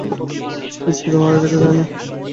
Spiro মারা গেছে, তাই না?